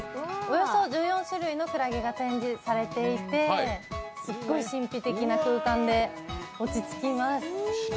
およそ１４種類のクラゲが展示されていて、すっごい神秘的な空間で落ち着きます。